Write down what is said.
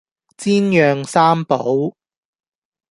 煎釀三寶